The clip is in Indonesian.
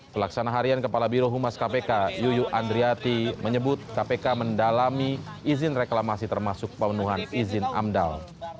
pelaksana harian kepala birohumas kpk yuyuk andriati menyebut kpk mendalami izin reklamasi termasuk pemenuhan izin amdal